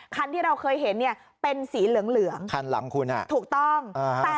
คันที่เราเคยเห็นเนี่ยเป็นสีเหลืองคันหลังคุณถูกต้อง